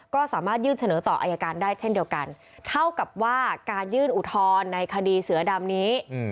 ก็สามารถยื่นเสนอต่ออายการได้เช่นเดียวกันเท่ากับว่าการยื่นอุทธรณ์ในคดีเสือดำนี้